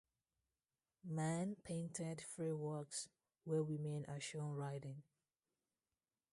Mann painted three works where women are shown riding.